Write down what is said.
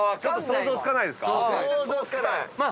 想像つかない。